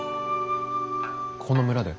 この村で？